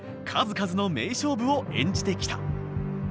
数々の名勝負を演じてきた。